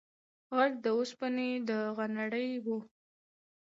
غږ د اوسپنې د غنړې و.